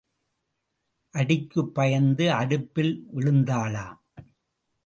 அடிக்குப் பயந்து அடுப்பில் விழுந்தாளாம்.